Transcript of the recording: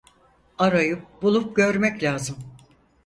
Arayıp, bulup görmek lazım.